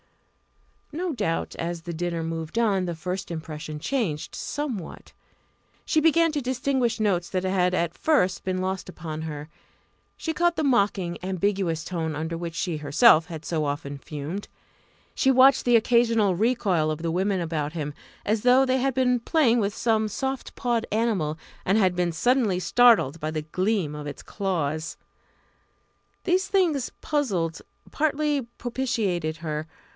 No doubt, as the dinner moved on, this first impression changed somewhat. She began to distinguish notes that had at first been lost upon her. She caught the mocking, ambiguous tone under which she herself had so often fumed; she watched the occasional recoil of the women about him, as though they had been playing with some soft pawed animal, and had been suddenly startled by the gleam of its claws. These things puzzled, partly propitiated her.